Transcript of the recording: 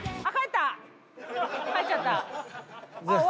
帰っちゃった。